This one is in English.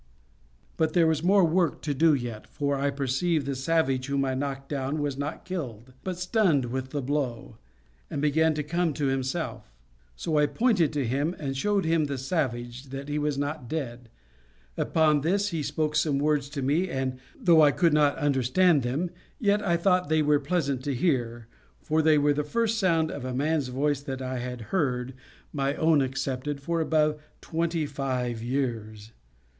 But there was more work to do yet, for I perceived the savage whom I had knocked down was not killed, but stunned with the blow, and began to come to himself; so I pointed to him, and showed him the savage, that he was not dead; upon this he spoke some words to me and, though I could not understand them, yet I thought they were pleasant to hear, for they were the first sound of a man's voice that I had heard, my own excepted, for above twenty five years.